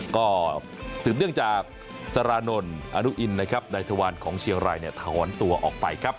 ก็สืบเนื่องจากสารานนท์อนุอินนะครับนายทวารของเชียงรายเนี่ยถอนตัวออกไปครับ